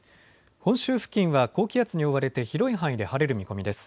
本州付近は高気圧に覆われて広い範囲で晴れる見込みです。